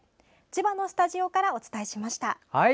千葉のスタジオからお伝えしました。